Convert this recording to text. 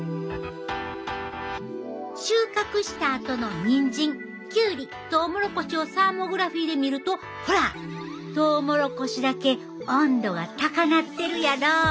収穫したあとのニンジンキュウリトウモロコシをサーモグラフィーで見るとほらトウモロコシだけ温度が高なってるやろ？